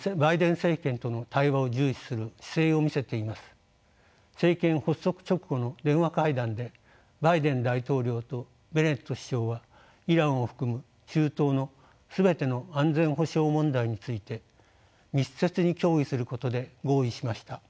政権発足直後の電話会談でバイデン大統領とベネット首相はイランを含む中東の全ての安全保障問題について密接に協議することで合意しました。